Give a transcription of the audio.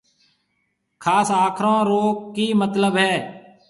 خاص آکرون رو ڪِي متلب هيَ۔